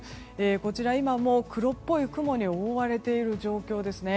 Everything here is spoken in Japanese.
こちらは今も黒っぽい雲に覆われている状況ですね。